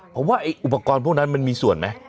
เพราะว่าไอ้อุปกรณ์พวกนั้นมันมีส่วนไหม